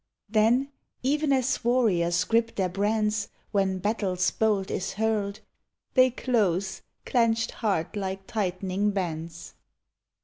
Then, even as warriors grip their brands When battle's bolt is hurled, They close, clenched hard like tightening bauds.